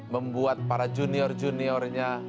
membuat para junior juniornya